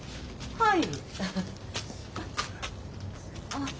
はい。